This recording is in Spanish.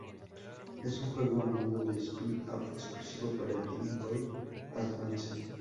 Es un juego a modo de spin-off exclusivo para Game Boy Advance.